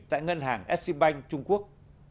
tại ngân hàng exxon bank trung quốc